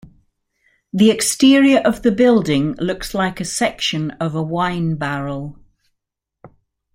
The exterior of the building looks like a section of a wine barrel.